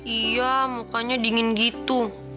iya mukanya dingin gitu